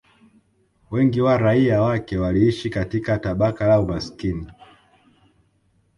Wengi wa raia wake waliishi katika tabaka la umaskini